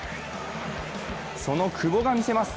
その久保が見せます！